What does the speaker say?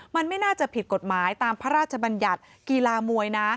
มันไม่น่าจะผิดกฎหมายตามพระราชบัญญัติกีฬามวยนะ